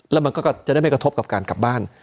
แล้วมันก็จะได้ไม่กระทบกับการกลับบ้าน